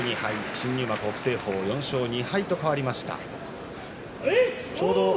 新入幕の北青鵬は４勝２敗と変わりました。